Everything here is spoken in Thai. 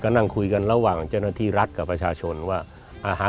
นั่งคุยกันระหว่างเจ้าหน้าที่รัฐกับประชาชนว่าอาหาร